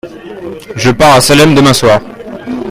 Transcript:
Je pars à Salem demain soir.